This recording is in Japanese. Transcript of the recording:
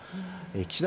岸田